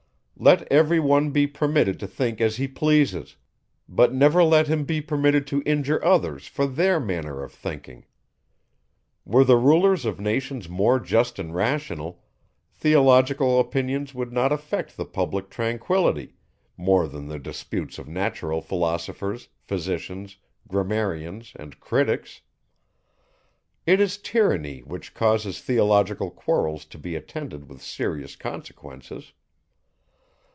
Let every one be permitted to think as he pleases; but never let him be permitted to injure others for their manner of thinking. Were the rulers of nations more just and rational, theological opinions would not affect the public tranquillity, more than the disputes of natural philosophers, physicians, grammarians, and critics. It is tyranny which causes theological quarrels to be attended with serious consequences.